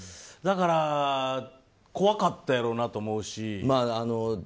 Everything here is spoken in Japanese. だから怖かったやろうなと思うし。